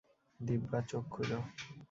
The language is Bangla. দিব্যা, চোখ খুলো।